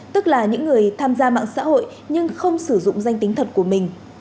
tức là những người tham gia mạng xã hội nhưng không sử dụng danh tính thật của mình